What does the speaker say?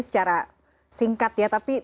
secara singkat ya tapi